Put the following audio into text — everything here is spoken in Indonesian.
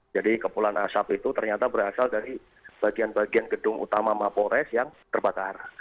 jadi kepulan asap itu ternyata berasal dari bagian bagian gedung utama mapolres yang terbakar